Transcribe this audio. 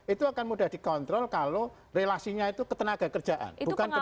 itu akan mudah dikontrol kalau relasinya itu ketenaga kerjaan